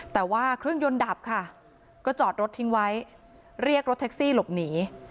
แต่ว่าเครื่องยนต์ดับค่ะก็จอดรถทิ้งไว้เรียกรถแท็กซี่หลบหนี